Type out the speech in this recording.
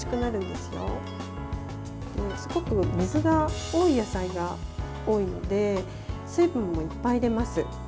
すごく水が多い野菜が多いので水分もいっぱい出ます。